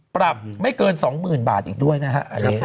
ปรับไม่เกิน๒๐๐๐บาทอีกด้วยนะฮะ